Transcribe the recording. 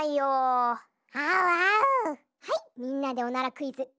はいみんなでおならクイズ！